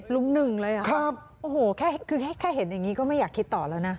๒๐ลุ้มหนึ่งเลยครับโอ้โฮแค่เห็นอย่างนี้ก็ไม่อยากคิดต่อแล้วนะ